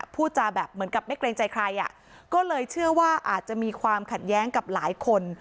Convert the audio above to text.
พูดจาแบบเหมือนกับไม่เกรงใจใครอ่ะก็เลยเชื่อว่าอาจจะมีความขัดแย้งกับหลายคน